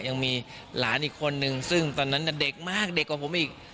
ยังมีหลานอีกคนนึงซึ่งตอนนั้นเด็กมากเด็กกว่าผมอีก